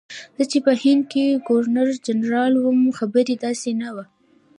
زه چې په هند کې ګورنرجنرال وم خبره داسې نه وه.